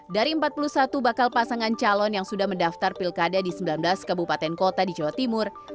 dari empat puluh satu bakal pasangan calon yang sudah mendaftar pilkada di sembilan belas kabupaten kota di jawa timur